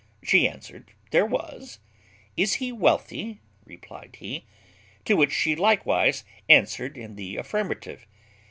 She answered, "There was." "Is he wealthy?" replied he; to which she likewise answered in the affirmative.